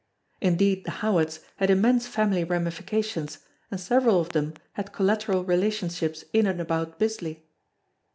Indeed the Howards had immense family ramifications and several of them had collateral relationships in and about Bisley.